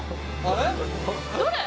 あれ？